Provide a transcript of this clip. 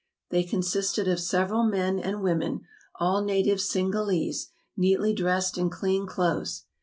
They consisted of several men and women, all native Singalese, neatly dressed in clean clothes.